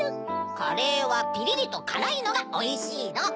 カレーはピリリとからいのがおいしいの！